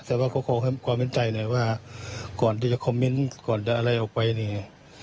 แต่ว่าก็ขอให้ความมั่นใจหน่อยว่าก่อนที่จะคอมเมนต์ก่อนจะอะไรออกไปเนี่ย